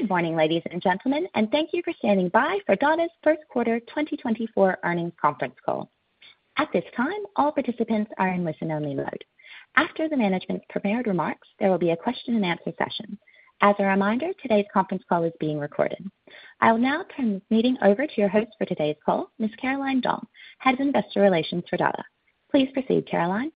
Good morning, ladies and gentlemen, and thank you for standing by for Dada's first quarter 2024 earnings conference call. At this time, all participants are in listen-only mode. After the management's prepared remarks, there will be a question-and-answer session. As a reminder, today's conference call is being recorded. I will now turn this meeting over to your host for today's call, Ms. Caroline Dong, Head of Investor Relations for Dada. Please proceed, Caroline.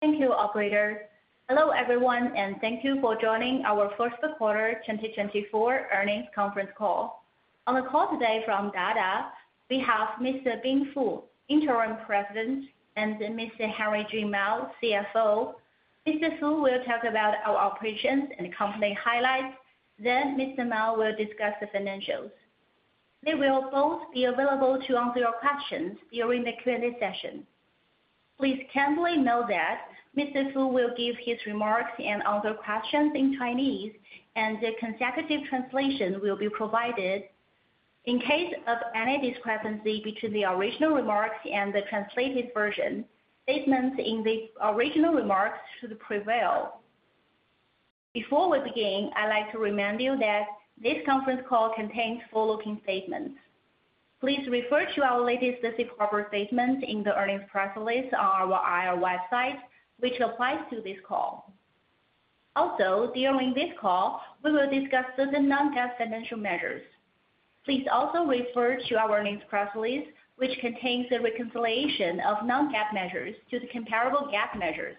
Thank you, operator. Hello everyone, and thank you for joining our first quarter 2024 earnings conference call. On the call today from Dada, we have Mr. Bing Fu, Interim President, and Mr. Henry Jun Mao, CFO. Mr. Fu will talk about our operations and company highlights, then Mr. Mao will discuss the financials. They will both be available to answer your questions during the Q&A session. Please kindly note that Mr. Fu will give his remarks and answer questions in Chinese, and a consecutive translation will be provided. In case of any discrepancy between the original remarks and the translated version, statements in the original remarks should prevail. Before we begin, I'd like to remind you that this conference call contains forward-looking statements. Please refer to our latest forward-looking statements in the earnings press release on our IR website, which applies to this call. Also, during this call, we will discuss certain non-GAAP financial measures. Please also refer to our earnings press release, which contains a reconciliation of non-GAAP measures to the comparable GAAP measures.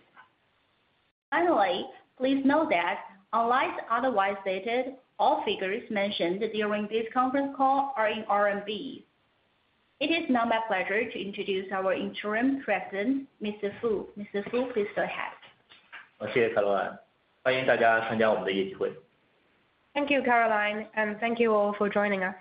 Finally, please note that, unlike otherwise stated, all figures mentioned during this conference call are in RMB. It is now my pleasure to introduce our Interim President, Mr. Fu. Mr. Fu, please go ahead. 谢谢 Caroline。欢迎大家参加我们的业绩会。Thank you, Caroline, and thank you all for joining us.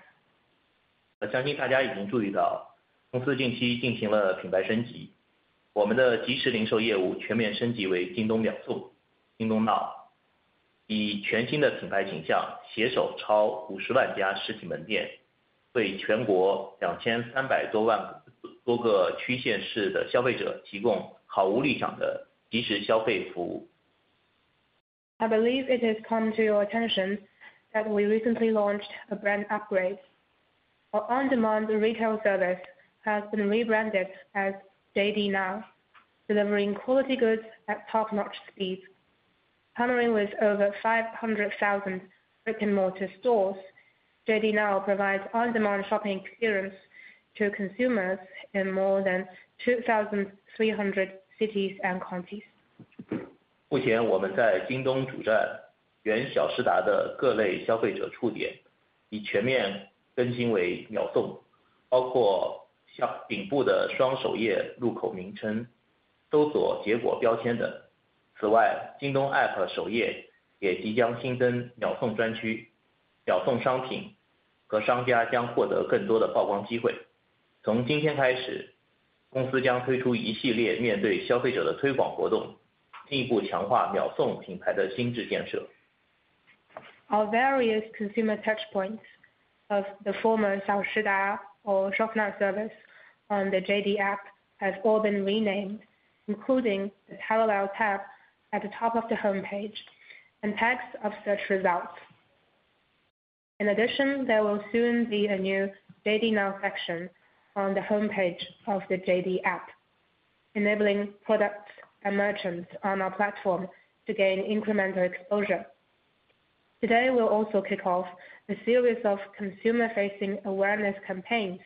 相信大家已经注意到，公司近期进行了品牌升级。我们的即时零售业务全面升级为京东秒送、JD Now，以全新的品牌形象携手超过50万家实体门店，为全国2,300多个区县市的消费者提供毫无门槛的即时消费服务。I believe it has come to your attention that we recently launched a brand upgrade. Our on-demand retail service has been rebranded as JD Now, delivering quality goods at top-notch speeds. Partnering with over 500,000 brick-and-mortar stores, JD Now provides on-demand shopping experience to consumers in more than 2,300 cities and counties. 目前我们在京东主站原小时达的各类消费者触点已全面更新为秒送，包括顶部的双首页入口名称、搜索结果标签等。此外，京东 APP 首页也即将新增秒送专区，秒送商品和商家将获得更多的曝光机会。从今天开始，公司将推出一系列面对消费者的推广活动，进一步强化秒送品牌的心智建设。Our various consumer touchpoints of the former 小时达 or 消费者服务 on the JD APP have all been renamed, including the parallel tab at the top of the homepage and tags of search results. In addition, there will soon be a new JD Now section on the homepage of the JD APP, enabling products and merchants on our platform to gain incremental exposure. Today, we'll also kick off a series of consumer-facing awareness campaigns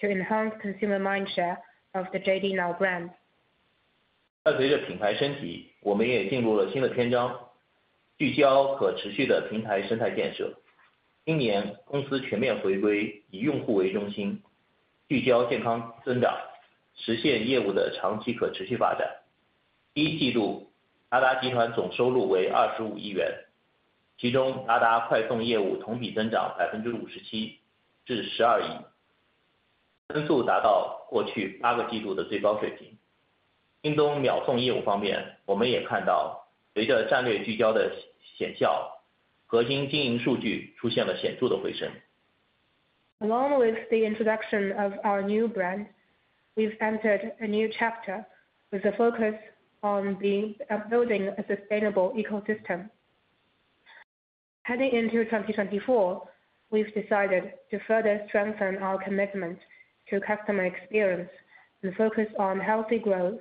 to enhance consumer mindshare of the JD Now brand. 随着品牌升级，我们也进入了新的篇章，聚焦可持续的平台生态建设。今年，公司全面回归以用户为中心，聚焦健康增长，实现业务的长期可持续发展。第一季度，达达集团总收入为 CNY 25 亿元，其中达达快送业务同比增长 57% 至 CNY 12 亿，增速达到过去八个季度的最高水平。京东秒送业务方面，我们也看到随着战略聚焦的显效，核心经营数据出现了显著的回升。Along with the introduction of our new brand, we've entered a new chapter with a focus on building a sustainable ecosystem. Heading into 2024, we've decided to further strengthen our commitment to customer experience and focus on healthy growth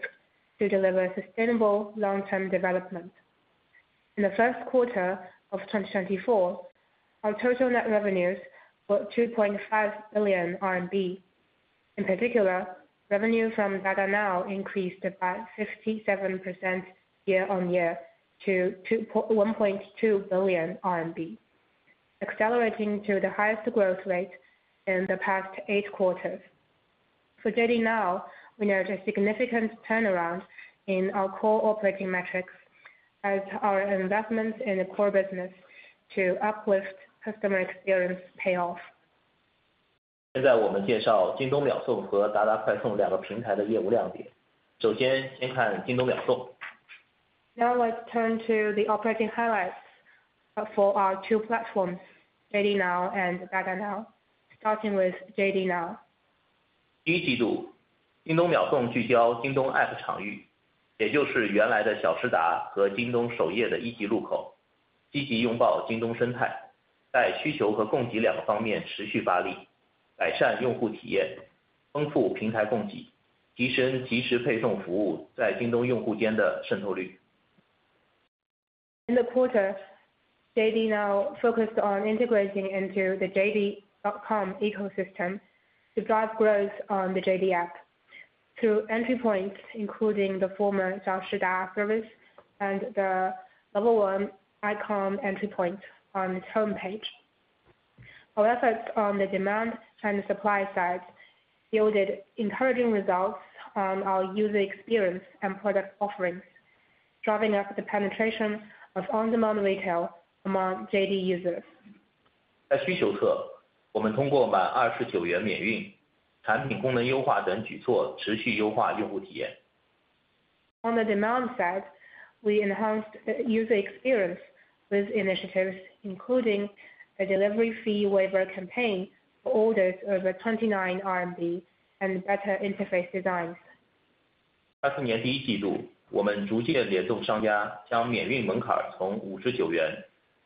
to deliver sustainable long-term development. In the first quarter of 2024, our total net revenues were 2.5 billion RMB. In particular, revenue from Dada Now increased by 57% year-over-year to 1.2 billion RMB, accelerating to the highest growth rate in the past eight quarters. For JD Now, we noted a significant turnaround in our core operating metrics as our investments in the core business to uplift customer experience payoff. 现在我们介绍京东秒速和达达快送两个平台的业务亮点。首先先看京东秒速。Now let's turn to the operating highlights for our two platforms, JD Now and Dada Now. Starting with JD Now. 第一季度，京东秒送聚焦京东 APP 场域，也就是原来的小时达和京东首页的一级入口，积极拥抱京东生态，在需求和供给两个方面持续发力，改善用户体验，丰富平台供给，提升即时配送服务在京东用户间的渗透率。In the quarter, JD Now focused on integrating into the JD.com ecosystem to drive growth on the JD APP through entry points including the former 小时达 service and the Level 1 icon entry point on its homepage. Our efforts on the demand and the supply side yielded encouraging results on our user experience and product offerings, driving up the penetration of on-demand retail among JD users. 在需求侧，我们通过满 CNY 29 免运、产品功能优化等举措持续优化用户体验。On the demand side, we enhanced user experience with initiatives including a delivery fee waiver campaign for orders over 29 RMB and better interface designs. 59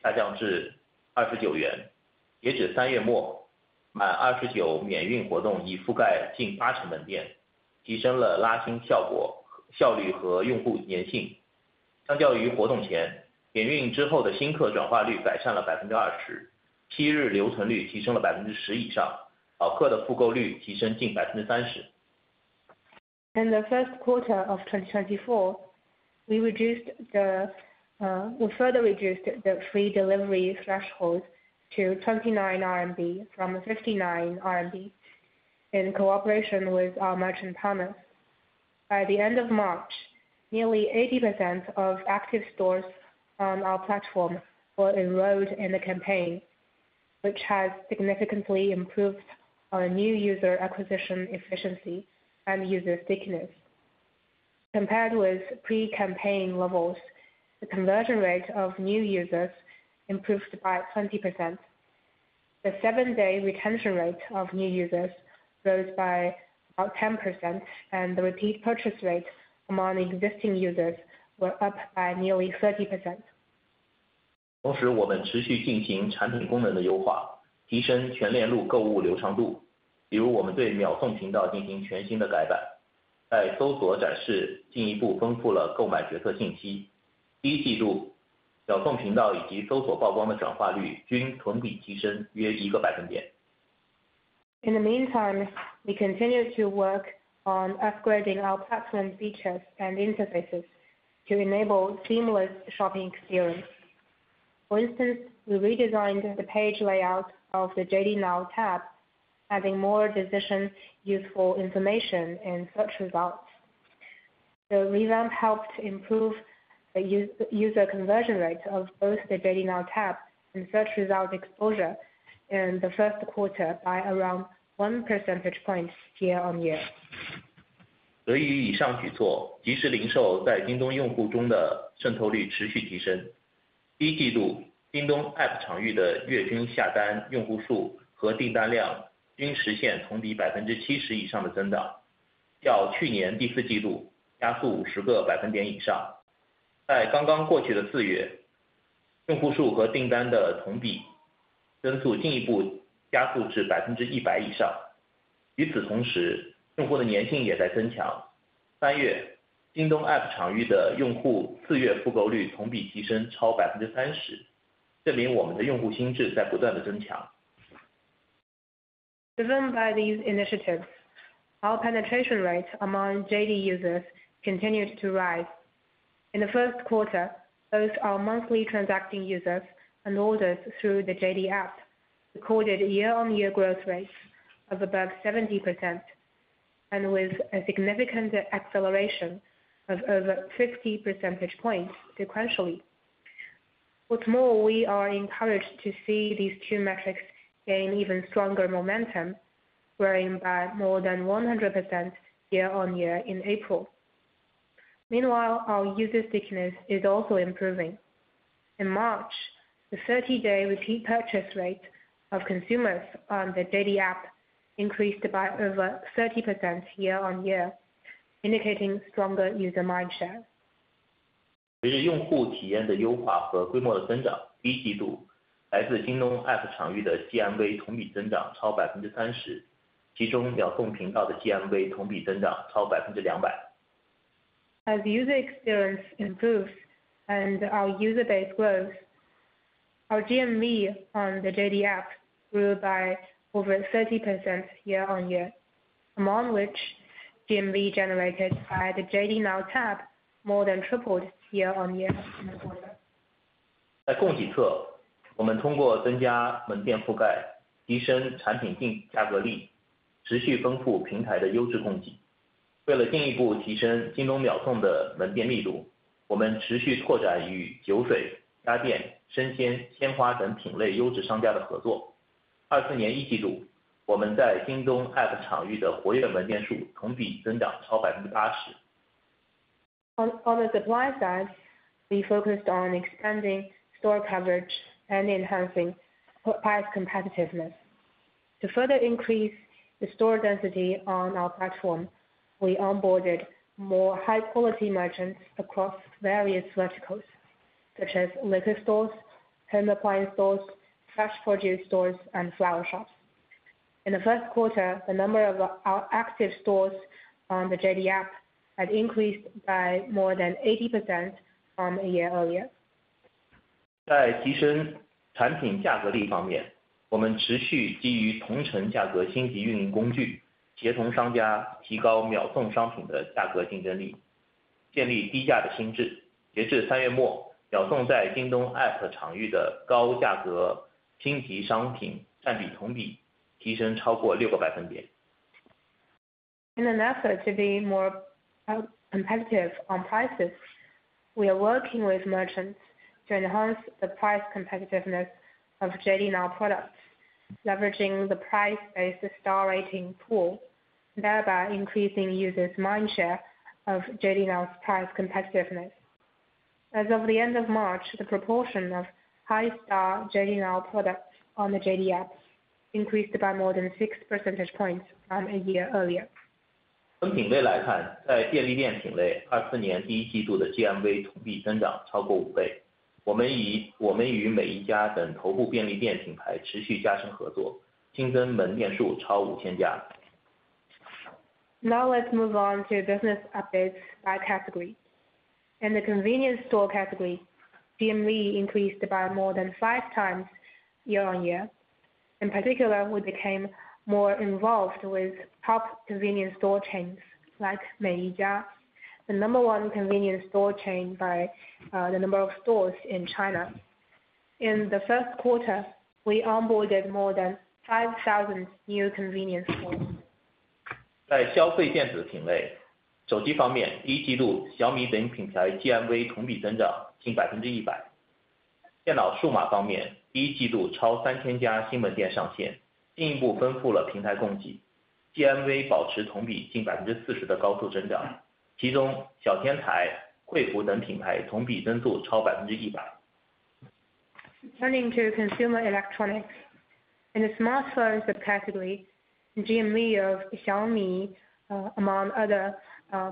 下降至 CNY 29。截止三月末，满 CNY 29 免运活动已覆盖近80%门店，提升了拉新效率和用户粘性。相较于活动前，免运之后的新客转化率改善了 20%，次日留存率提升了 10% 以上，老客的复购率提升近 30%。In the first quarter of 2024, we further reduced the free delivery threshold to 29 RMB from 59 RMB in cooperation with our merchant partners. By the end of March, nearly 80% of active stores on our platform were enrolled in the campaign, which has significantly improved our new user acquisition efficiency and user stickiness. Compared with pre-campaign levels, the conversion rate of new users improved by 20%. The seven-day retention rate of new users rose by about 10%, and the repeat purchase rates among existing users were up by nearly 30%. 同时我们持续进行产品功能的优化，提升全链路购物流畅度。比如我们对秒速频道进行全新的改版，在搜索展示进一步丰富了购买决策信息。第一季度，秒速频道以及搜索曝光的转化率均同比提升约一个百分点。In the meantime, we continue to work on upgrading our platform features and interfaces to enable seamless shopping experience. For instance, we redesigned the page layout of the JD Now tab, adding more decision-useful information in search results. The revamp helped improve the user conversion rate of both the JD Now tab and search result exposure in the first quarter by around one percentage point year-on-year. 得益于以上举措，即时零售在京东用户中的渗透率持续提升。第一季度，京东 APP 场域的月均下单用户数和订单量均实现同比 70% 以上的增长，较去年第四季度加速 50 个百分点以上。在刚刚过去的四月，用户数和订单的同比增速进一步加速至 100% 以上。与此同时，用户的粘性也在增强。三月，京东 APP 场域的用户四月复购率同比提升超 30%，证明我们的用户心智在不断地增强。Driven by these initiatives, our penetration rate among JD users continued to rise. In the first quarter, both our monthly transacting users and orders through the JD APP recorded year-on-year growth rates of above 70% and with a significant acceleration of over 50 percentage points sequentially. What's more, we are encouraged to see these two metrics gain even stronger momentum, growing by more than 100% year-on-year in April. Meanwhile, our user stickiness is also improving. In March, the 30-day repeat purchase rate of consumers on the JD APP increased by over 30% year-on-year, indicating stronger user mindshare. 随着用户体验的优化和规模的增长，第一季度来自京东 APP 场域的 GMV 同比增长超 30%，其中秒速频道的 GMV 同比增长超 200%。As user experience improves and our user base grows, our GMV on the JD APP grew by over 30% year-on-year, among which GMV generated by the JD Now tab more than tripled year-on-year in the quarter. 在供给侧，我们通过增加门店覆盖、提升产品价格力，持续丰富平台的优质供给。为了进一步提升京东秒送的门店密度，我们持续拓展与酒水、家电、生鲜、鲜花等品类优质商家的合作。2024年一季度，我们在京东 APP 场域的活跃门店数同比增长超 80%。On the supply side, we focused on expanding store coverage and enhancing price competitiveness. To further increase the store density on our platform, we onboarded more high-quality merchants across various verticals, such as liquor stores, home appliance stores, fresh produce stores, and flower shops. In the first quarter, the number of our active stores on the JD APP had increased by more than 80% from a year earlier. 在提升产品价格力方面，我们持续基于同城价格星级运营工具，协同商家提高秒速商品的价格竞争力，建立低价的心智。截至3月末，秒速在京东 APP 场域的高价格星级商品占比同比提升超过6个百分点。In an effort to be more competitive on prices, we are working with merchants to enhance the price competitiveness of JD Now products, leveraging the price-based star rating pool, thereby increasing users' mindshare of JD Now's price competitiveness. As of the end of March, the proportion of high-star JD Now products on the JD APP increased by more than six percentage points from a year earlier. 从品类来看，在便利店品类2024年第一季度的 GMV 同比增长超过5倍。我们与每一家等头部便利店品牌持续加深合作，新增门店数超5,000家。Now let's move on to business updates by category. In the convenience store category, GMV increased by more than 5x year-on-year. In particular, we became more involved with top convenience store chains like Mei Yijia, the number one convenience store chain by the number of stores in China. In the first quarter, we onboarded more than 5,000 new convenience stores. 40%, among which XTC, HP, and other brands' year-over-year growth exceeded 100%. Turning to consumer electronics. In the smartphones subcategory, GMV of Xiaomi among other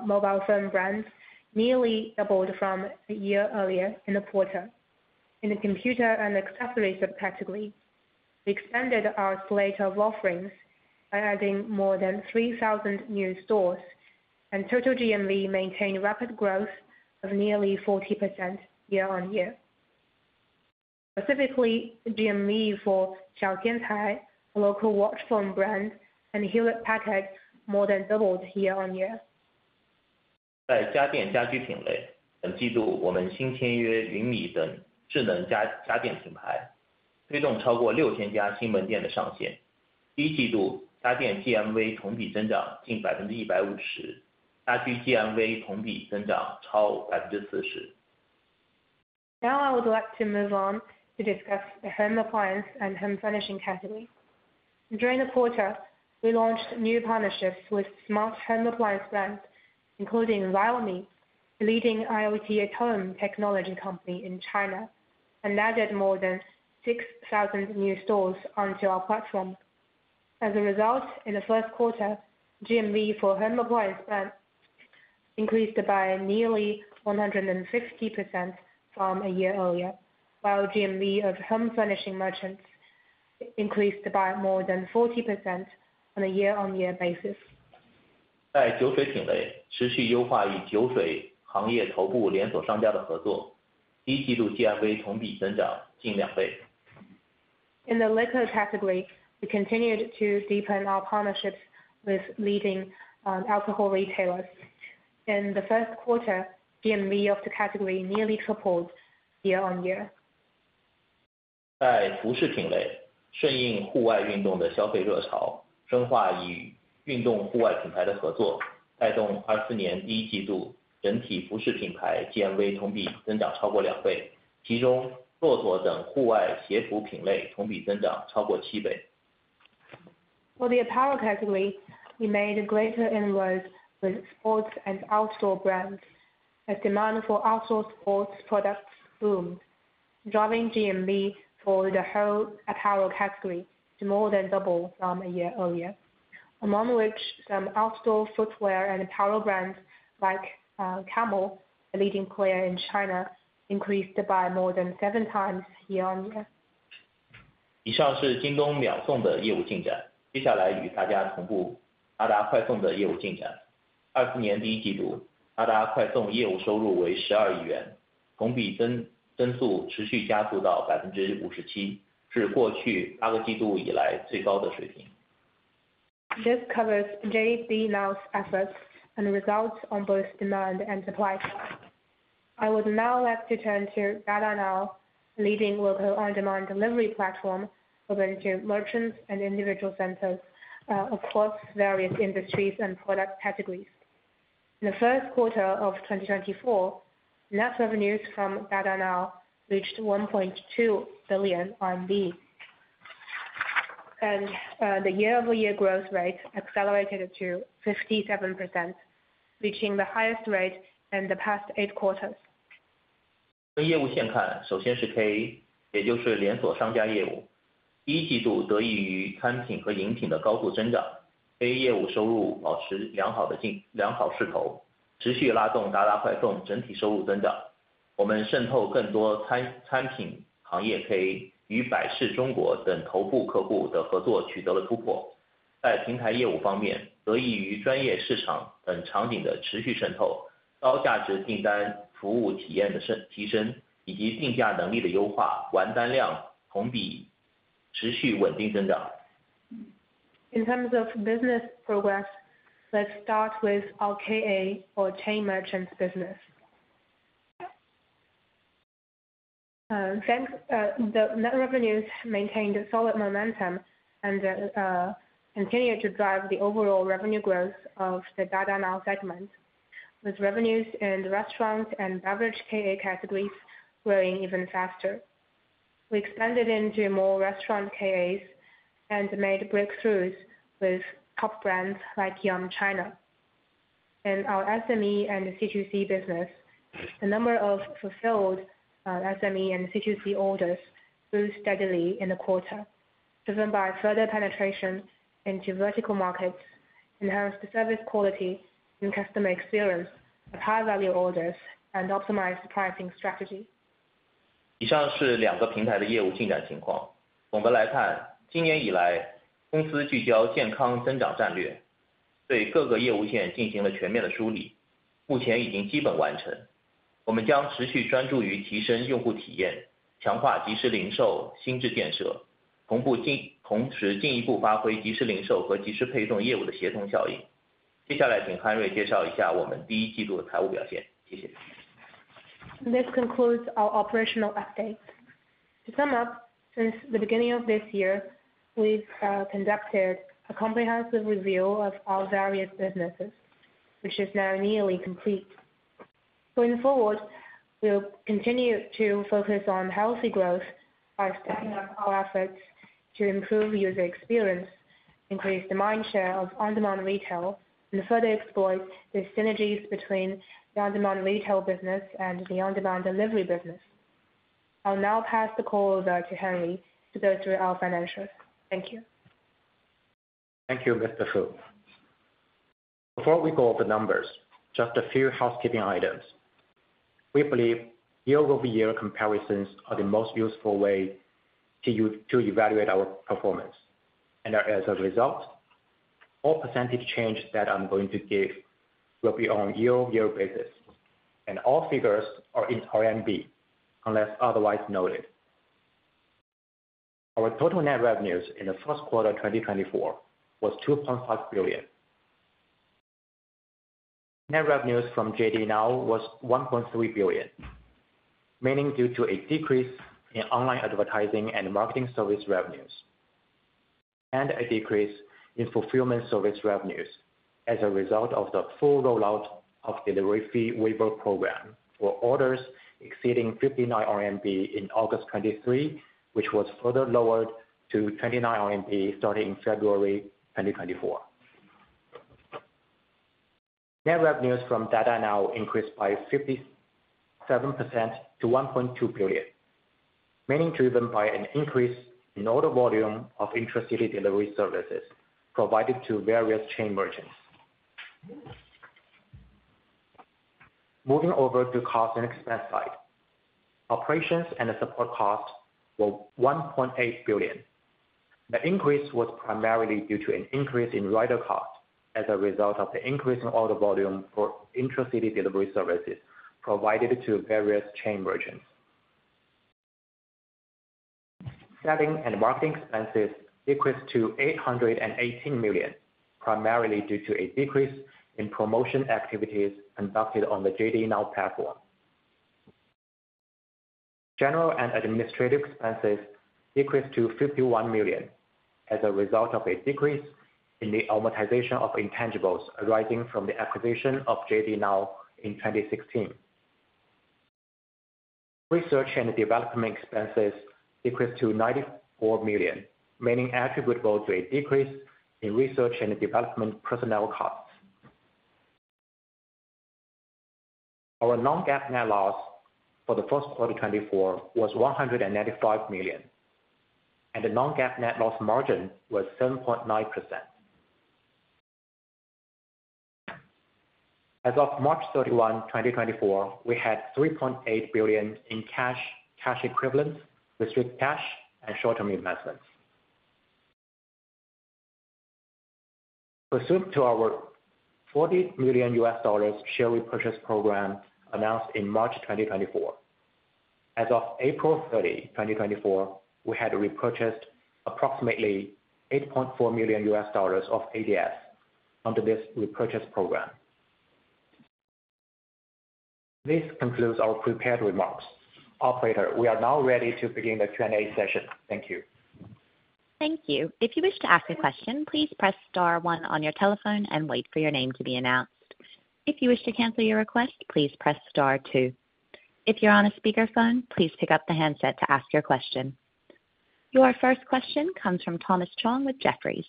mobile phone brands nearly doubled from a year earlier in the quarter. In the computer and accessories subcategory, we expanded our slate of offerings by adding more than 3,000 new stores, and total GMV maintained rapid growth of nearly 40% year-on-year. Specifically, GMV for XTC, a local watch phone brand, and Hewlett Packard more than doubled year-on-year. 在家电家居品类，本季度我们新签约 云米 等智能家电品牌，推动超过 6,000 家新门店的上线。第一季度家电 GMV 同比增长近 150%，家居 GMV 同比增长超 40%。Now I would like to move on to discuss the home appliance and home furnishing category. During the quarter, we launched new partnerships with smart home appliance brands, including Viomi, the leading IoT at-home technology company in China, and added more than 6,000 new stores onto our platform. As a result, in the first quarter, GMV for home appliance brands increased by nearly 150% from a year earlier, while GMV of home furnishing merchants increased by more than 40% on a year-on-year basis. 在酒水品类，持续优化与酒水行业头部连锁商家的合作。第一季度 GMV 同比增长近两倍。In the liquor category, we continued to deepen our partnerships with leading alcohol retailers. In the first quarter, GMV of the category nearly tripled year-over-year. 在服饰品类，顺应户外运动的消费热潮，深化与运动户外品牌的合作，带动2024第一季度整体服饰品牌 GMV 同比增长超过2倍，其中 骆驼 等户外鞋服品类同比增长超过7倍。For the apparel category, we made a greater inroad with sports and outdoor brands. As demand for outdoor sports products boomed, driving GMV for the whole apparel category to more than double from a year earlier, among which some outdoor footwear and apparel brands like Camel, the leading player in China, increased by more than seven times year-over-year. 以上是京东秒送的业务进展。接下来与大家同步达达快送的业务进展。2024年第一季度，达达快送业务收入为12亿元，同比增速持续加速到57%，是过去八个季度以来最高的水平。This covers JD Now's efforts and results on both demand and supply side. I would now like to turn to Dada Now, the leading local on-demand delivery platform open to merchants and individual senders across various industries and product categories. In the first quarter of 2024, net revenues from Dada Now reached 1.2 billion RMB, and the year-over-year growth rate accelerated to 57%, reaching the highest rate in the past eight quarters. 从业务线看，首先是 KA，也就是连锁商家业务。第一季度得益于餐品和饮品的高速增长，KA 业务收入保持良好势头，持续拉动达达快送整体收入增长。我们渗透更多餐品行业 KA 与百事中国等头部客户的合作取得了突破。在平台业务方面，得益于专业市场等场景的持续渗透，高价值订单服务体验的提升以及定价能力的优化，完单量同比持续稳定增长。In terms of business progress, let's start with our KA or chain merchants business. The net revenues maintained solid momentum and continued to drive the overall revenue growth of the Dada Now segment, with revenues in restaurant and beverage KA categories growing even faster. We expanded into more restaurant KAs and made breakthroughs with top brands like PepsiCo China. In our SME and C2C business, the number of fulfilled SME and C2C orders grew steadily in the quarter, driven by further penetration into vertical markets, enhanced service quality and customer experience of high-value orders, and optimized pricing strategy. 以上是两个平台的业务进展情况。总的来看，今年以来公司聚焦健康增长战略，对各个业务线进行了全面的梳理，目前已经基本完成。我们将持续专注于提升用户体验，强化即时零售心智建设，同时进一步发挥即时零售和即时配送业务的协同效应。接下来请 Henry 介绍一下我们第一季度的财务表现，谢谢。This concludes our operational update. To sum up, since the beginning of this year, we've conducted a comprehensive review of our various businesses, which is now nearly complete. Going forward, we'll continue to focus on healthy growth by stepping up our efforts to improve user experience, increase the mindshare of on-demand retail, and further exploit the synergies between the on-demand retail business and the on-demand delivery business. I'll now pass the call over to Henry to go through our financials. Thank you. Thank you, Mr. Fu. Before we go over the numbers, just a few housekeeping items. We believe year-over-year comparisons are the most useful way to evaluate our performance. And as a result, all percentage change that I'm going to give will be on a year-over-year basis, and all figures are in RMB unless otherwise noted. Our total net revenues in the first quarter of 2024 was 2.5 billion. Net revenues from JD Now was 1.3 billion, mainly due to a decrease in online advertising and marketing service revenues and a decrease in fulfillment service revenues as a result of the full rollout of delivery fee waiver program for orders exceeding 59 RMB in August 2023, which was further lowered to 29 RMB starting in February 2024. Net revenues from Dada Now increased by 57% to 1.2 billion, mainly driven by an increase in order volume of intracity delivery services provided to various chain merchants. Moving over to cost and expense side, operations and support costs were 1.8 billion. The increase was primarily due to an increase in rider cost as a result of the increase in order volume for intracity delivery services provided to various chain merchants. Selling and marketing expenses decreased to 818 million, primarily due to a decrease in promotion activities conducted on the JD Now platform. General and administrative expenses decreased to 51 million as a result of a decrease in the amortization of intangibles arising from the acquisition of JD Now in 2016. Research and development expenses decreased to 94 million, mainly attributable to a decrease in research and development personnel costs. Our non-GAAP net loss for the first quarter 2024 was 195 million, and the non-GAAP net loss margin was 7.9%. As of March 31, 2024, we had 3.8 billion in cash equivalents, restricted cash, and short-term investments. Pursuant to our $40 million share repurchase program announced in March 2024, as of April 30, 2024, we had repurchased approximately $8.4 million of ADS under this repurchase program. This concludes our prepared remarks. Operator, we are now ready to begin the Q&A session. Thank you. Thank you. If you wish to ask a question, please press star one on your telephone and wait for your name to be announced. If you wish to cancel your request, please press star two. If you're on a speakerphone, please pick up the handset to ask your question. Your first question comes from Thomas Chong with Jefferies.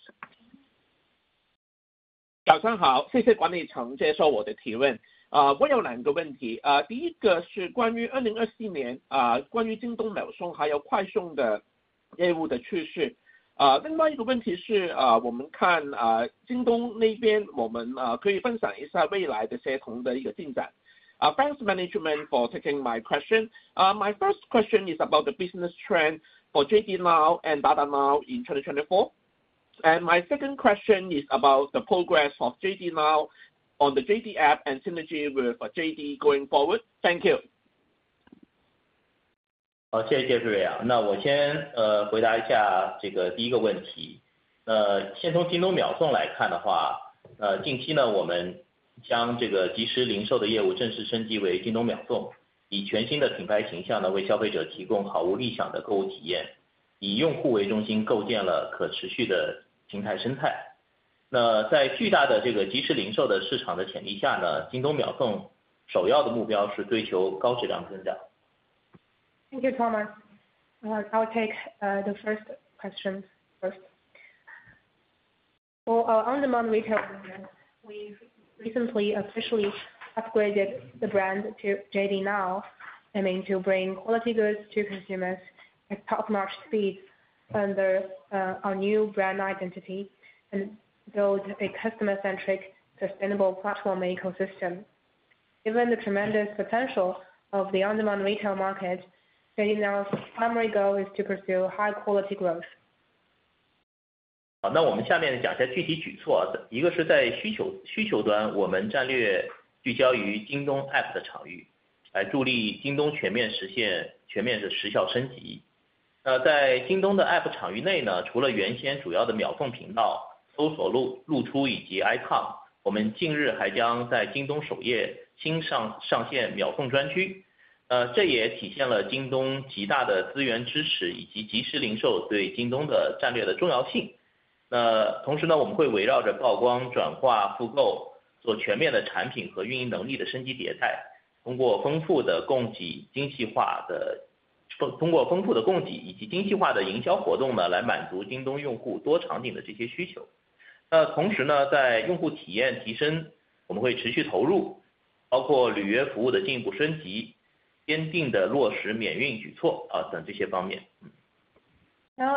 早上好，谢谢管理层接收我的提问。我有两个问题。第一个是关于2024年京东秒送还有达达快送的业务的趋势。另外一个问题是我们看京东那边，我们可以分享一下未来的协同的一个进展。Thanks, management, for taking my question. My first question is about the business trend for JD Now and Dada Now in 2024. My second question is about the progress of JD Now on the JD app and synergy with JD going forward. Thank you. 谢谢 Jeffrey。那我先回答一下这个第一个问题。那先从京东秒速来看的话，近期我们将即时零售的业务正式升级为京东秒速，以全新的品牌形象为消费者提供毫无立场的购物体验，以用户为中心构建了可持续的平台生态。那在巨大的即时零售的市场的潜力下，京东秒速首要的目标是追求高质量增长。Thank you, Thomas. I'll take the first question first. For our on-demand retail business, we've recently officially upgraded the brand to JD Now, I mean, to bring quality goods to consumers at top-notch speeds under our new brand identity and build a customer-centric, sustainable platform ecosystem. Given the tremendous potential of the on-demand retail market, JD Now's primary goal is to pursue high-quality growth. 那我们下面讲一下具体举措。一个是在需求端，我们战略聚焦于京东 app 的场域，来助力京东全面实现全面的时效升级。那在京东的 app 场域内，除了原先主要的秒送频道、搜索露出以及 icon，我们近日还将在京东首页新上线秒送专区。那这也体现了京东极大的资源支持以及即时零售对京东的战略的重要性。那同时我们会围绕着曝光、转化、复购做全面的产品和运营能力的升级迭代，通过丰富的供给以及精细化的营销活动来满足京东用户多场景的这些需求。那同时在用户体验提升，我们会持续投入，包括履约服务的进一步升级、坚定的落实免运举措等这些方面。Now I'd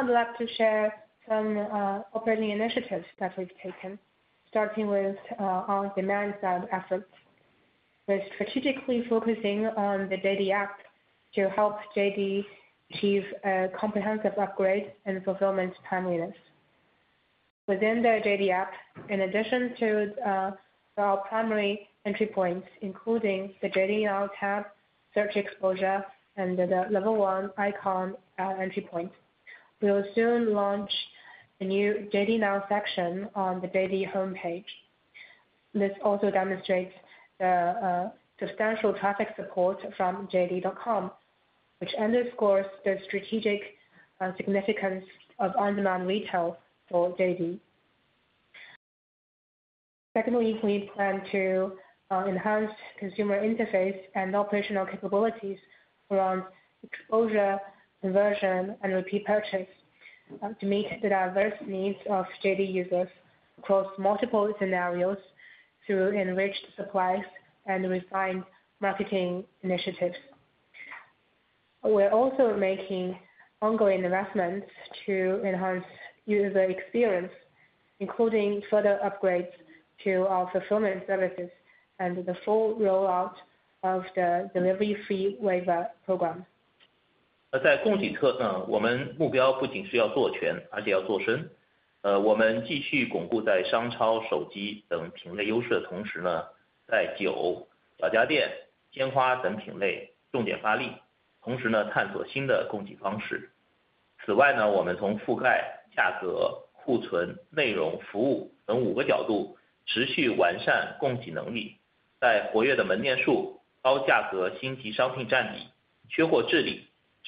like to share some operating initiatives that we've taken, starting with our demand side efforts, with strategically focusing on the JD app to help JD achieve a comprehensive upgrade and fulfillment timeliness. Within the JD app, in addition to our primary entry points, including the JD Now tab, search exposure, and the level one icon entry point, we will soon launch a new JD Now section on the JD homepage. This also demonstrates the substantial traffic support from JD.com, which underscores the strategic significance of on-demand retail for JD. Secondly, we plan to enhance consumer interface and operational capabilities around exposure, conversion, and repeat purchase to meet the diverse needs of JD users across multiple scenarios through enriched supplies and refined marketing initiatives. We're also making ongoing investments to enhance user experience, including further upgrades to our fulfillment services and the full rollout of the delivery fee waiver program.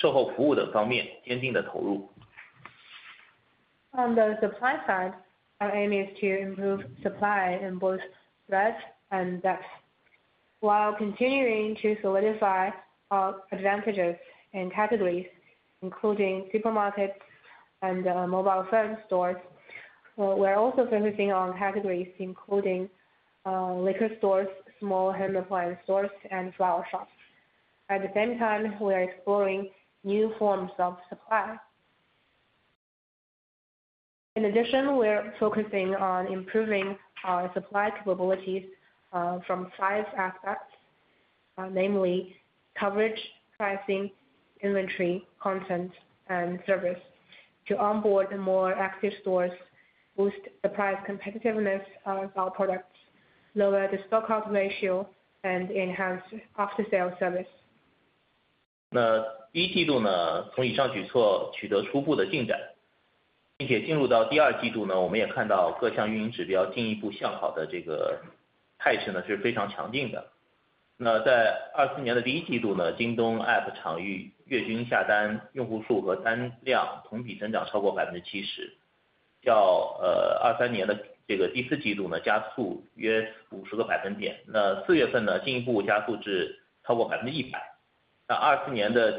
On the supply side, our aim is to improve supply in both breadth and depth. While continuing to solidify our advantages in categories, including supermarkets and mobile phone stores, we're also focusing on categories, including liquor stores, small home appliance stores, and flower shops. At the same time, we are exploring new forms of supply. In addition, we're focusing on improving our supply capabilities from five aspects, namely coverage, pricing, inventory, content, and service. To onboard more active stores, boost the price competitiveness of our products, lower the stock out ratio, and enhance after-sale service. 那第一季度从以上举措取得初步的进展，并且进入到第二季度，我们也看到各项运营指标进一步向好的态势是非常强劲的。那在2024年的第一季度，京东 app 场域月均下单用户数和单量同比增长超过70%，较2023年的第四季度加速约50个百分点。那4月份进一步加速至超过100%。那2024年的第一季度，京东 app 的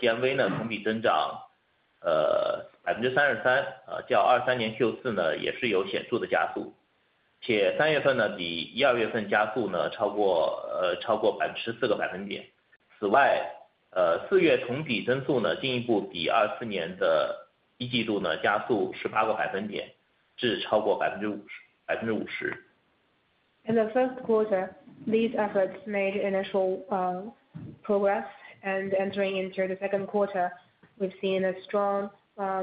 GMV 同比增长33%，较2023年Q4也是有显著的加速，且3月份比1、2月份加速超过14个百分点。此外，4月同比增速进一步比2024年的一季度加速18个百分点至超过50%。In the first quarter, these efforts made initial progress, and entering into the second quarter, we've seen a strong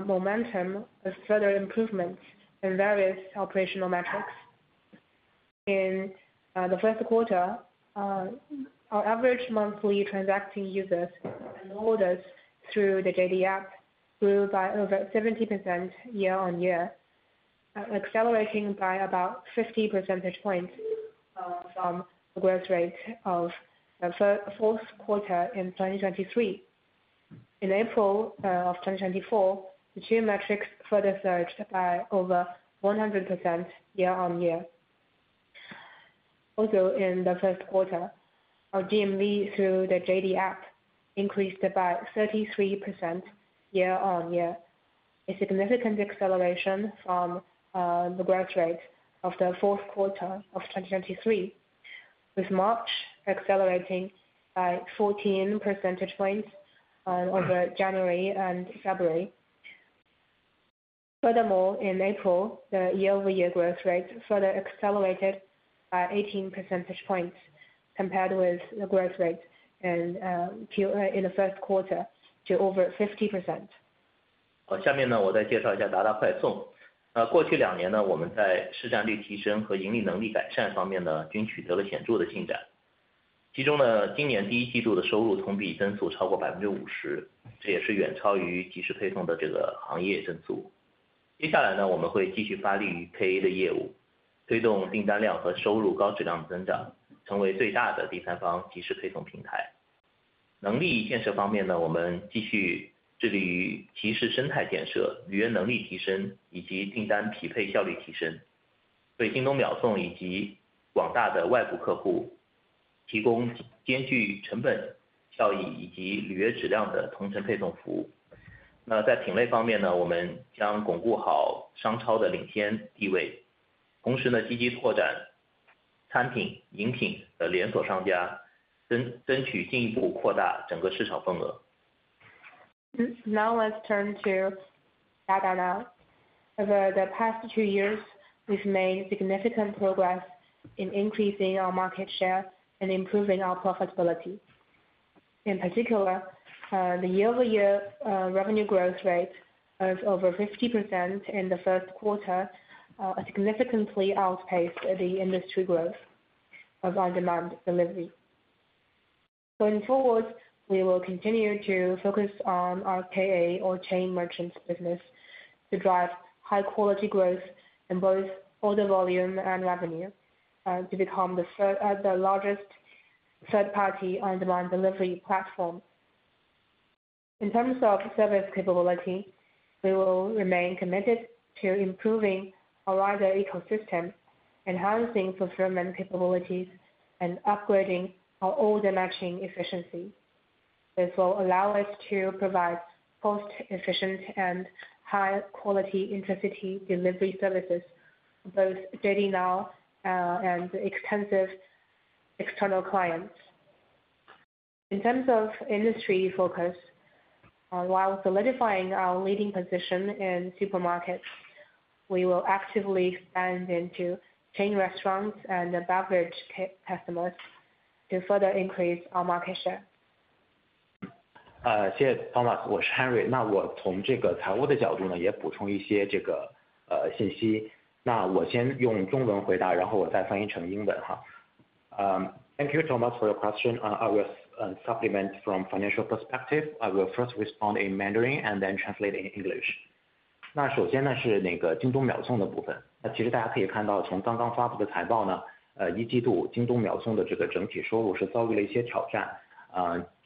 momentum of further improvements in various operational metrics. In the first quarter, our average monthly transacting users and orders through the JD App grew by over 70% year-over-year, accelerating by about 50 percentage points from the growth rate of the fourth quarter in 2023. In April of 2024, the two metrics further surged by over 100% year-over-year. Also, in the first quarter, our GMV through the JD App increased by 33% year-over-year, a significant acceleration from the growth rate of the fourth quarter of 2023, with March accelerating by 14 percentage points over January and February. Furthermore, in April, the year-over-year growth rate further accelerated by 18 percentage points compared with the growth rate in the first quarter to over 50%. Now let's turn to Dada Now. Over the past two years, we've made significant progress in increasing our market share and improving our profitability. In particular, the year-over-year revenue growth rate of over 50% in the first quarter significantly outpaced the industry growth of on-demand delivery. Going forward, we will continue to focus on our KA or chain merchants business to drive high-quality growth in both order volume and revenue, to become the largest third-party on-demand delivery platform. In terms of service capability, we will remain committed to improving our rider ecosystem, enhancing fulfillment capabilities, and upgrading our order matching efficiency. This will allow us to provide cost-efficient and high-quality intercity delivery services, both JD Now and extensive external clients. In terms of industry focus, while solidifying our leading position in supermarkets, we will actively expand into chain restaurants and beverage customers to further increase our market share. 谢谢Thomas。我是Henry。那我从财务的角度也补充一些信息。那我先用中文回答，然后我再翻译成英文。Thank you, Thomas, for your question. I will supplement from a financial perspective. I will first respond in Mandarin and then translate in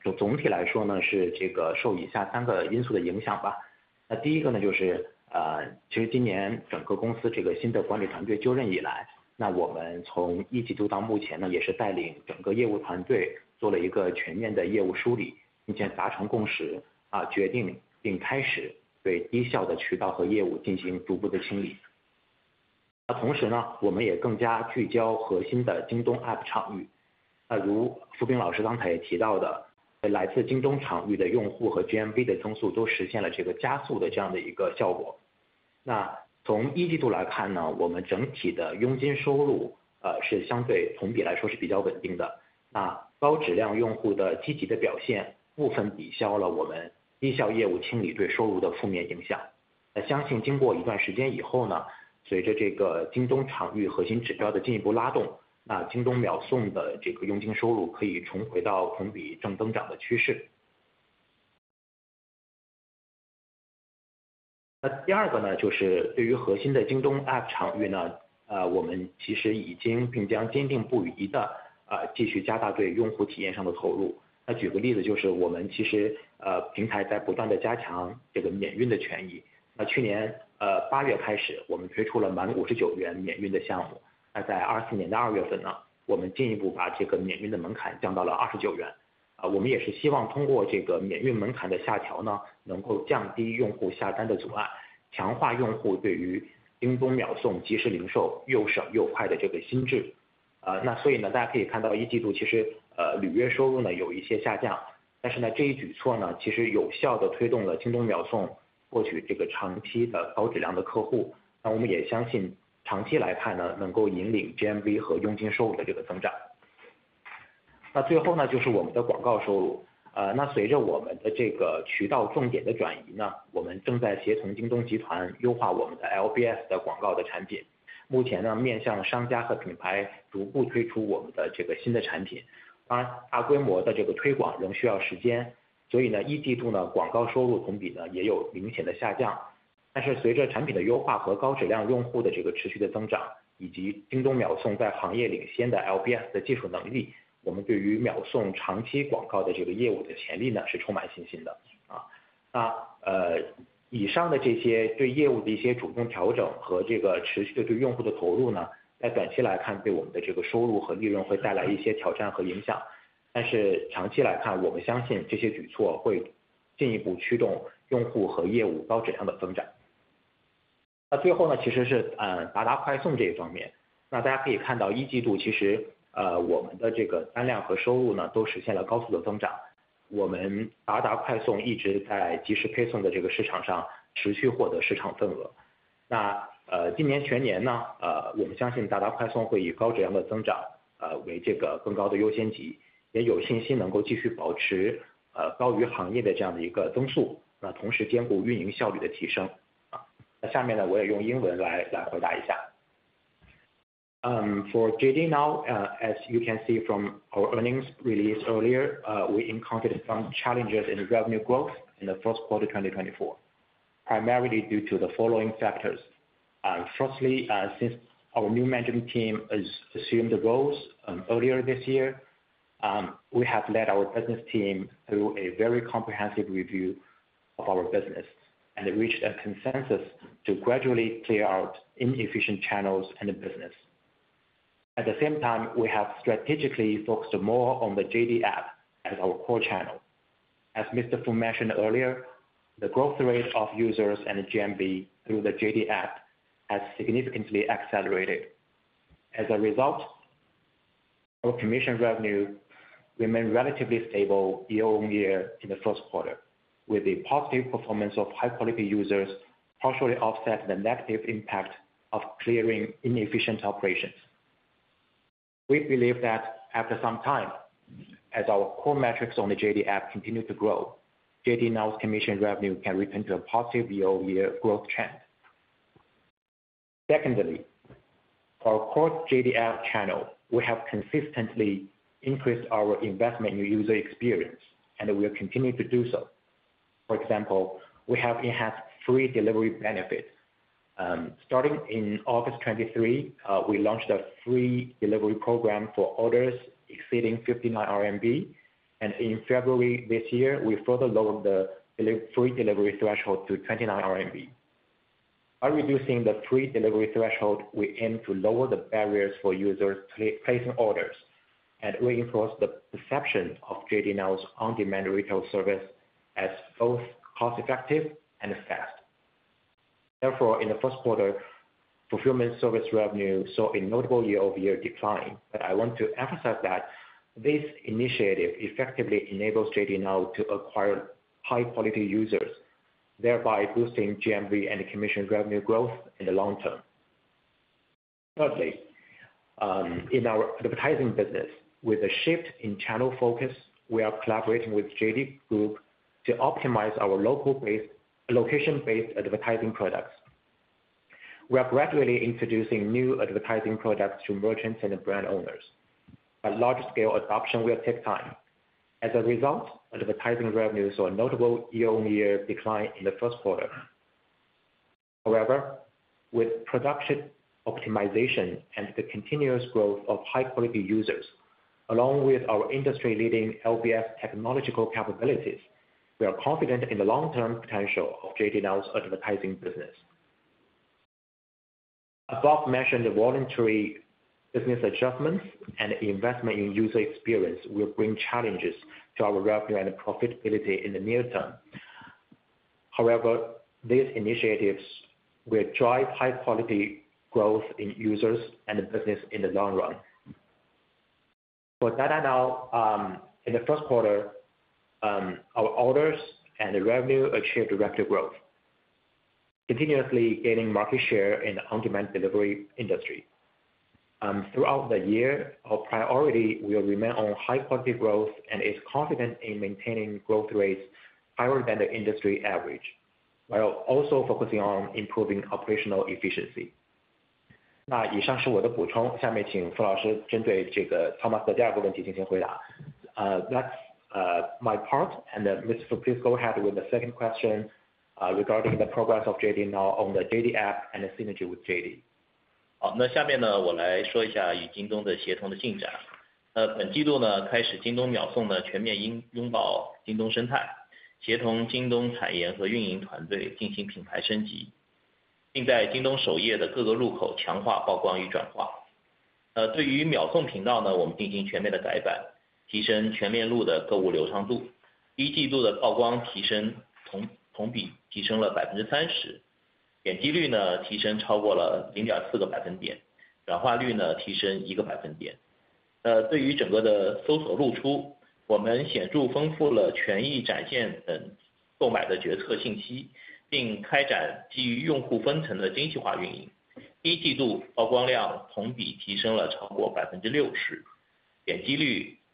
English。那首先是京东秒送的部分。其实大家可以看到，从刚刚发布的财报，一季度京东秒送的整体收入是遭遇了一些挑战。总体来说，是受以下三个因素的影响。那第一个就是，其实今年整个公司新的管理团队就任以来，我们从一季度到目前，也是带领整个业务团队做了一个全面的业务梳理，并且达成共识，决定并开始对低效的渠道和业务进行逐步的清理。同时，我们也更加聚焦核心的京东 app 场域。如傅冰老师刚才也提到的，来自京东场域的用户和 app 场域，我们其实已经并将坚定不移地继续加大对用户体验上的投入。那举个例子就是，我们其实平台在不断地加强免运的权益。那去年8月开始，我们推出了满CNY LBS 的技术能力，我们对于秒送长期广告的业务的潜力是充满信心的。以上的这些对业务的一些主动调整和持续的对用户的投入，在短期来看对我们的收入和利润会带来一些挑战和影响。但是长期来看，我们相信这些举措会进一步驱动用户和业务高质量的增长。那最后其实是达达快送这一方面。那大家可以看到，一季度其实我们的单量和收入都实现了高速的增长。我们达达快送一直在及时配送的市场上持续获得市场份额。那今年全年，我们相信达达快送会以高质量的增长为更高的优先级，也有信心能够继续保持高于行业的这样的一个增速。那同时兼顾运营效率的提升。那下面我也用英文来回答一下。For JD Now, as you can see from our earnings released earlier, we encountered some challenges in revenue growth in the first quarter 2024, primarily due to the following factors. Firstly, since our new management team has assumed the roles earlier this year, we have led our business team through a very comprehensive review of our business and reached a consensus to gradually clear out inefficient channels in the business. At the same time, we have strategically focused more on the JD app as our core channel. As Mr. Fu mentioned earlier, the growth rate of users and GMV through the JD app has significantly accelerated. As a result, our commission revenue remained relatively stable year-on-year in the first quarter, with a positive performance of high-quality users partially offset the negative impact of clearing inefficient operations. We believe that after some time, as our core metrics on the JD app continue to grow, JD Now's commission revenue can return to a positive year-on-year growth trend. Secondly, for our core JD app channel, we have consistently increased our investment in user experience, and we will continue to do so. For example, we have enhanced free delivery benefits. Starting in August 2023, we launched a free delivery program for orders exceeding 59 RMB, and in February this year, we further lowered the free delivery threshold to 29 RMB. By reducing the free delivery threshold, we aim to lower the barriers for users placing orders and reinforce the perception of JD Now's on-demand retail service as both cost-effective and fast. Therefore, in the first quarter, fulfillment service revenue saw a notable year-over-year decline. But I want to emphasize that this initiative effectively enables JD Now to acquire high-quality users, thereby boosting GMV and commission revenue growth in the long term. Thirdly, in our advertising business, with a shift in channel focus, we are collaborating with JD Group to optimize our location-based advertising products. We are gradually introducing new advertising products to merchants and brand owners. But large-scale adoption will take time. As a result, advertising revenue saw a notable year-over-year decline in the first quarter. However, with production optimization and the continuous growth of high-quality users, along with our industry-leading LBS technological capabilities, we are confident in the long-term potential of JD Now's advertising business. Above-mentioned voluntary business adjustments and investment in user experience will bring challenges to our revenue and profitability in the near term. However, these initiatives will drive high-quality growth in users and the business in the long run. For Dada Now, in the first quarter, our orders and revenue achieved rapid growth, continuously gaining market share in the on-demand delivery industry. Throughout the year, our priority will remain on high-quality growth and is confident in maintaining growth rates higher than the industry average, while also focusing on improving operational efficiency. 以上是我的补充。下面请傅老师针对Thomas的第二个问题进行回答. That's my part. And Mr. Fu, please go ahead with the second question regarding the progress of JD Now on the JD app and the synergy with JD.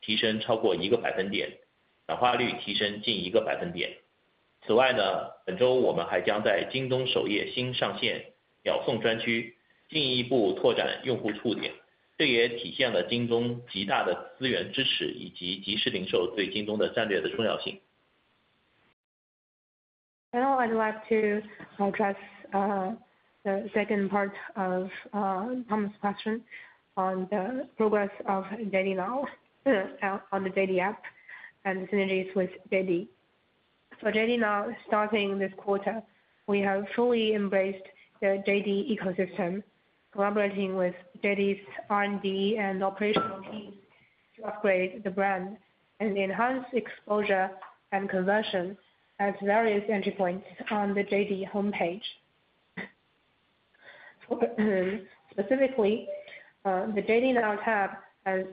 Now I'd like to address the second part of Thomas's question on the progress of JD Now on the JD app and the synergies with JD. For JD Now, starting this quarter, we have fully embraced the JD ecosystem, collaborating with JD's R&D and operational teams to upgrade the brand and enhance exposure and conversion at various entry points on the JD homepage. Specifically, the JD Now tab has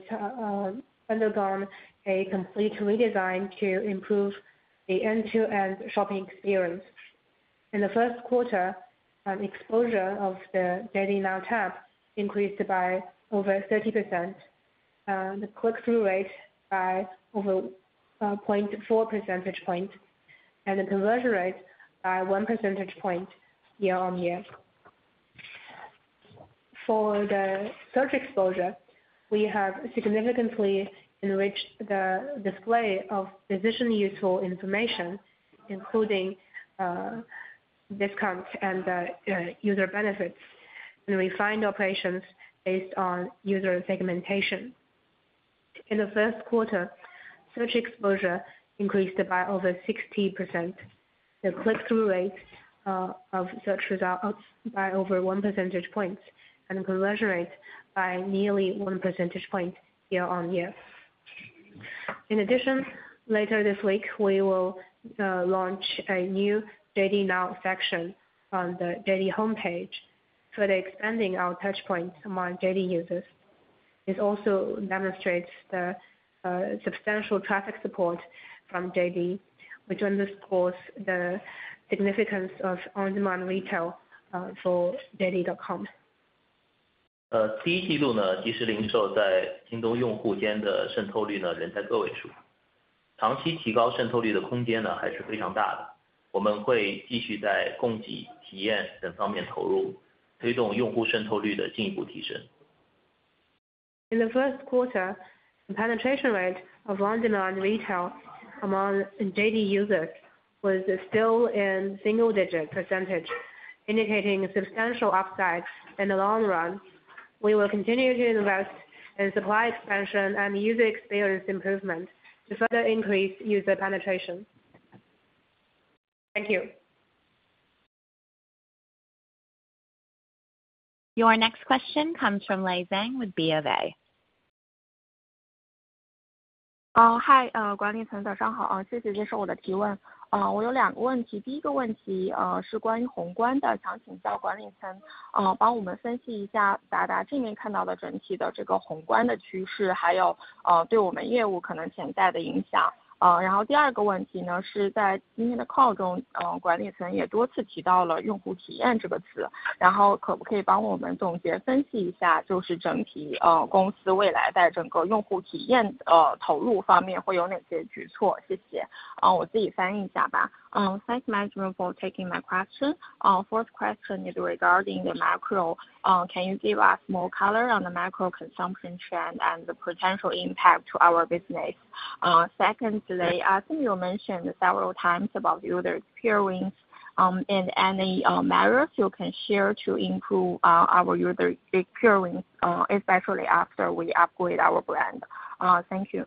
undergone a complete redesign to improve the end-to-end shopping experience. In the first quarter, exposure of the JD Now tab increased by over 30%, the click-through rate by over 0.4 percentage points, and the conversion rate by 1 percentage point year-on-year. For the search exposure, we have significantly enriched the display of physically useful information, including discounts and user benefits, and refined operations based on user segmentation. In the first quarter, search exposure increased by over 60%, the click-through rate of search results by over 1 percentage point, and the conversion rate by nearly 1 percentage point year-on-year. In addition, later this week, we will launch a new JD Now section on the JD homepage for expanding our touchpoints among JD users. This also demonstrates the substantial traffic support from JD, which underscores the significance of on-demand retail for JD.com. 第一季度即时零售在京东用户间的渗透率仍在个位数。长期提高渗透率的空间还是非常大的。我们会继续在供给、体验等方面投入，推动用户渗透率的进一步提升。In the first quarter, the penetration rate of on-demand retail among JD users was still in single-digit %, indicating substantial upside. In the long run, we will continue to invest in supply expansion and user experience improvement to further increase user penetration. Thank you. Your next question comes from Lei Zhang with B of A. call 中，管理层也多次提到了用户体验这个词，然后可不可以帮我们总结分析一下，就是整体公司未来在整个用户体验投入方面会有哪些举措。谢谢。我自己翻译一下。Thanks management for taking my question. Fourth question is regarding the macro. Can you give us more color on the macro consumption trend and the potential impact to our business? Secondly, I think you mentioned several times about user experience and any measures you can share to improve our user experience, especially after we upgrade our brand. Thank you.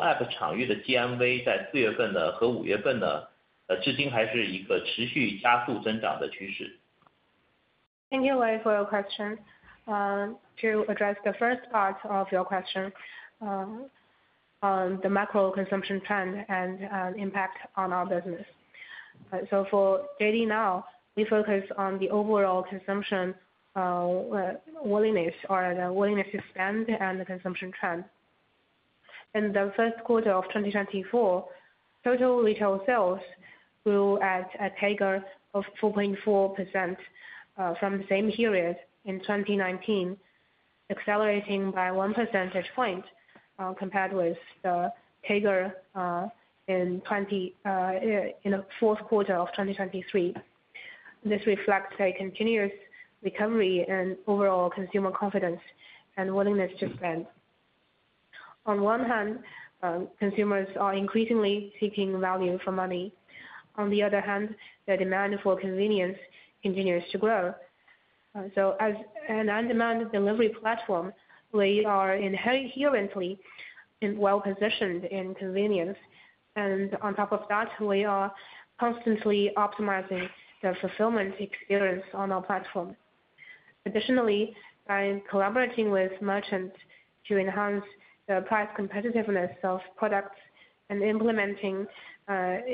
app 场景的 GMV 在4月份和5月份至今还是一个持续加速增长的趋势。Thank you, Lei, for your question. To address the first part of your question on the macro consumption trend and impact on our business. So for JD Now, we focus on the overall consumption willingness or the willingness to spend and the consumption trend. In the first quarter of 2024, total retail sales grew at a figure of 4.4% from the same period in 2019, accelerating by 1 percentage point compared with the figure in the fourth quarter of 2023. This reflects a continuous recovery and overall consumer confidence and willingness to spend. On one hand, consumers are increasingly seeking value for money. On the other hand, the demand for convenience continues to grow. So as an on-demand delivery platform, we are inherently well-positioned in convenience. And on top of that, we are constantly optimizing the fulfillment experience on our platform. Additionally, by collaborating with merchants to enhance the price competitiveness of products and implementing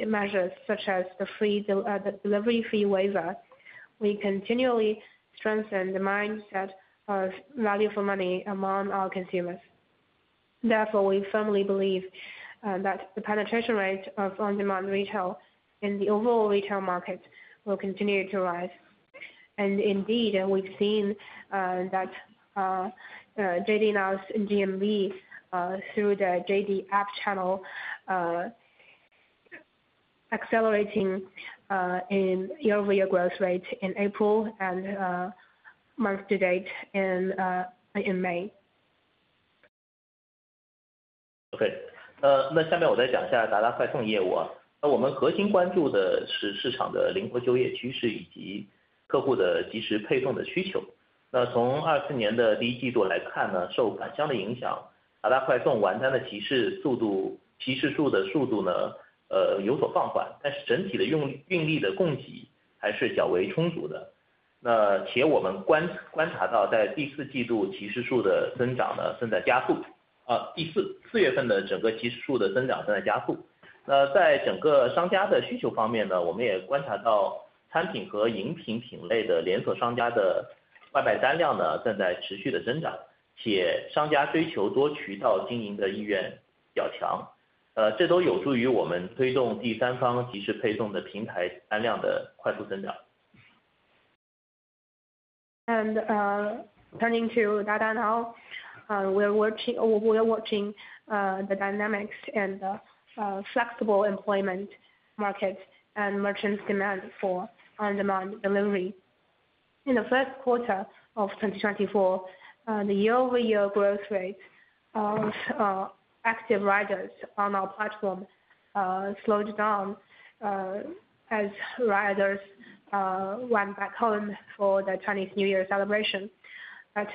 measures such as the delivery fee waiver, we continually strengthen the mindset of value for money among our consumers. Therefore, we firmly believe that the penetration rate of on-demand retail in the overall retail market will continue to rise. And indeed, we've seen that JD Now's GMV through the JD App channel accelerating in year-over-year growth rate in April and month-to-date in May. Okay。那下面我再讲一下达达快送业务。那我们核心关注的是市场的灵活就业趋势以及客户的及时配送的需求。那从24年的第一季度来看，受返乡的影响，达达快送完单的提示速度提示数的速度呢，有所放缓，但是整体的运力的供给还是较为充足的。那且我们观察到在第四季度提示数的增长呢，正在加速。第四，4月份的整个提示数的增长正在加速。那在整个商家的需求方面呢，我们也观察到产品和饮品品类的连锁商家的外卖单量呢，正在持续的增长，且商家追求多渠道经营的意愿较强。这都有助于我们推动第三方及时配送的平台单量的快速增长。Turning to Dada Now, we are watching the dynamics and the flexible employment market and merchants' demand for on-demand delivery. In the first quarter of 2024, the year-over-year growth rate of active riders on our platform slowed down as riders went back home for the Chinese New Year celebration.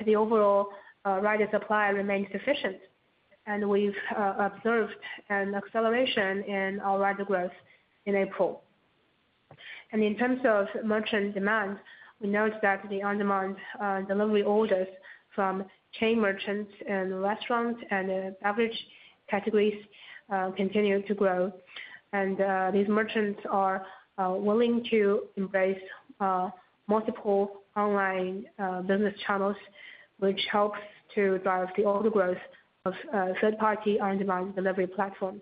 The overall rider supply remained sufficient, and we've observed an acceleration in our rider growth in April. In terms of merchant demand, we note that the on-demand delivery orders from chain merchants and restaurants and beverage categories continue to grow. These merchants are willing to embrace multiple online business channels, which helps to drive the order growth of third-party on-demand delivery platforms.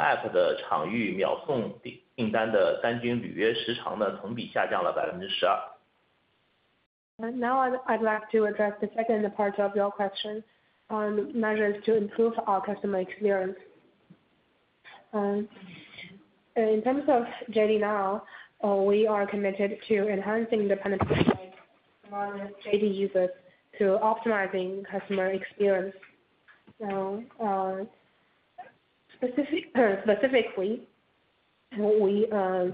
App 的场景秒送订单的单均履约时长同比下降了 12%。Now I'd like to address the second part of your question on measures to improve our customer experience. In terms of JD Now, we are committed to enhancing the penetration rate among JD users through optimizing customer experience. Specifically, we are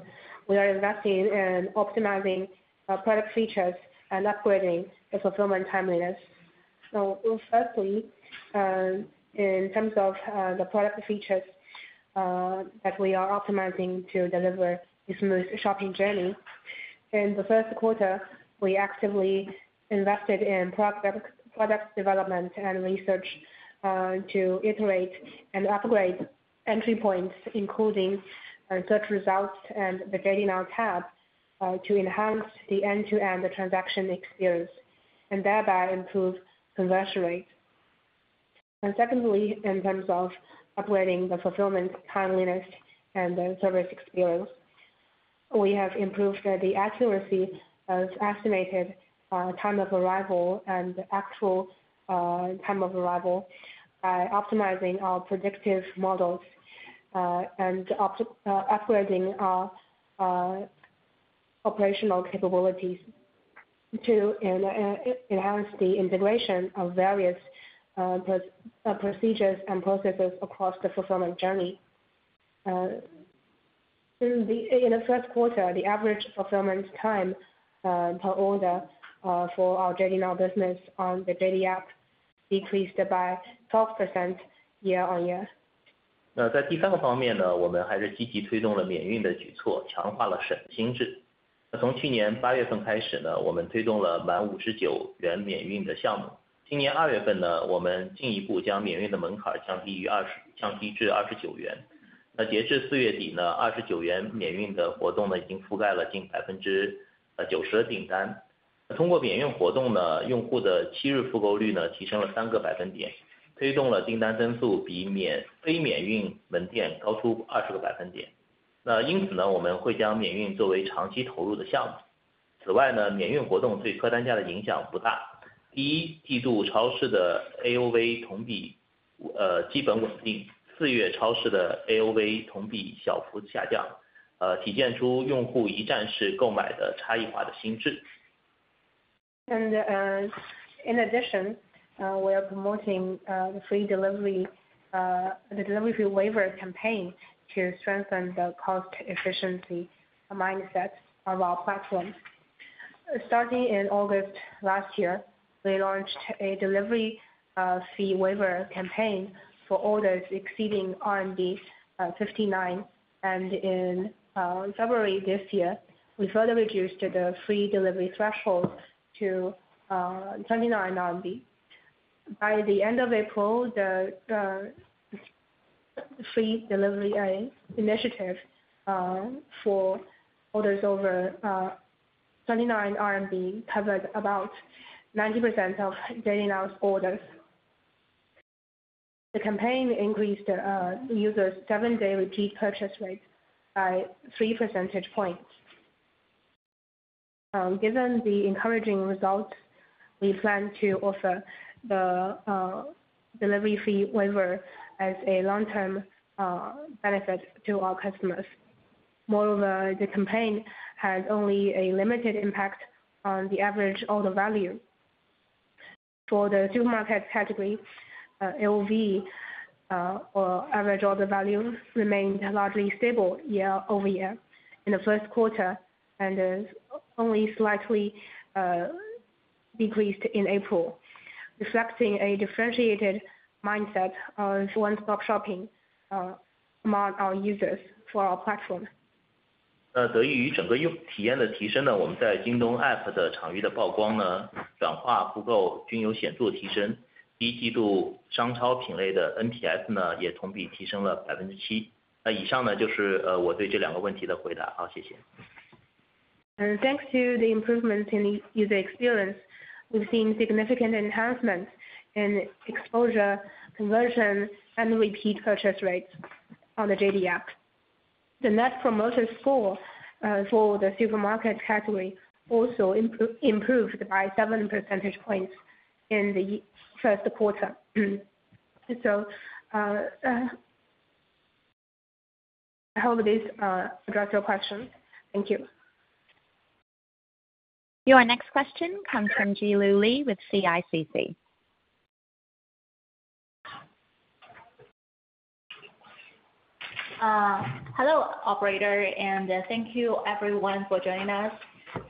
investing in optimizing product features and upgrading the fulfillment timeliness. Firstly, in terms of the product features that we are optimizing to deliver a smooth shopping journey, in the first quarter, we actively invested in product development and research to iterate and upgrade entry points, including search results and the JD Now tab, to enhance the end-to-end transaction experience and thereby improve conversion rate. Secondly, in terms of upgrading the fulfillment timeliness and the service experience, we have improved the accuracy of estimated time of arrival and actual time of arrival by optimizing our predictive models and upgrading our operational capabilities to enhance the integration of various procedures and processes across the fulfillment journey. In the first quarter, the average fulfillment time per order for our JD Now business on the JD app decreased by 12% year-on-year. In addition, we are promoting the free delivery fee waiver campaign to strengthen the cost efficiency mindset of our platform. Starting in August last year, we launched a delivery fee waiver campaign for orders exceeding RMB 59. In February this year, we further reduced the free delivery threshold to 29 RMB. By the end of April, the free delivery initiative for orders over 29 RMB covered about 90% of JD Now's orders. The campaign increased users' seven-day repeat purchase rate by three percentage points. Given the encouraging results, we plan to offer the delivery fee waiver as a long-term benefit to our customers. Moreover, the campaign has only a limited impact on the average order value. For the supermarket category, AOV or average order value remained largely stable year-over-year in the first quarter and only slightly decreased in April, reflecting a differentiated mindset of one-stop shopping among our users for our platform. 得益于整个体验的提升，我们在京东 app 的场域的曝光、转化、复购均有显著提升。第一季度商超品类的 NPS 也同比提升了 7%。以上就是我对这两个问题的回答。谢谢。Thanks to the improvements in the user experience, we've seen significant enhancements in exposure, conversion, and repeat purchase rates on the JD app. The Net Promoter Score for the supermarket category also improved by seven percentage points in the first quarter. So I hope this addressed your question. Thank you. Your next question comes from Jiulu Li with CICC. Hello, operator, and thank you, everyone, for joining us.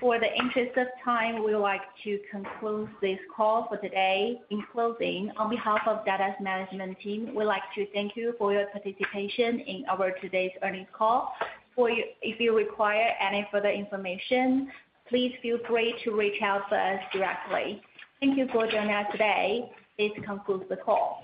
For the interest of time, we would like to conclude this call for today. In closing, on behalf of Dada's management team, we would like to thank you for your participation in our today's earnings call. If you require any further information, please feel free to reach out to us directly. Thank you for joining us today. This concludes the call.